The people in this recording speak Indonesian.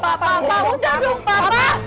papa udah dong papa